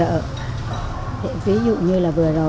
ví dụ như là vừa rồi chúng tôi đã tìm những cái nhà tài trợ